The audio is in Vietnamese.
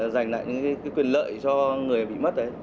giành lại những cái quyền lợi cho người bị mất đấy